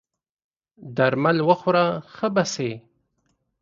درمل وخوره ښه به سې!